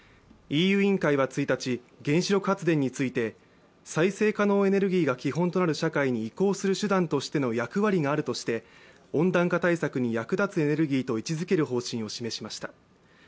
ＥＵ委員会は１日、原子力発電について再生可能エネルギーが基本となる社会に移行する手段としての役割があるとして温暖化対策に役立つエネルギーと位置づける方針を示しました。